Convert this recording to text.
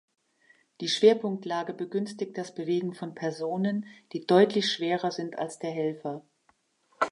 Die Schwerpunktlage begünstigt das Bewegen von Personen, die deutlich schwerer sind als der Helfer.